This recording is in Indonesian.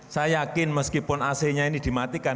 saya yakin meskipun ac nya ini dimatikan